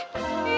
udah udah udah